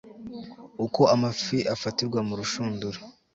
uko amafi afatirwa mu rushundura